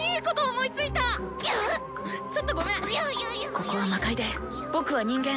ここは魔界で僕は人間。